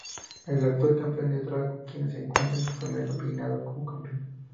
El actual campeón es Drago, quien se encuentra en su primer reinado como campeón.